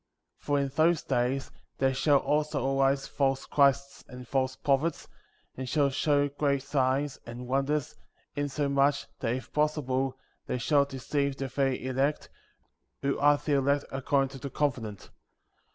For in those days there shall also arise false Christs, and false prophets, and shall show great signs and wonders, insomuch, that, if possible, they shall deceive the very elect, who are the elect accord ing to the covenant.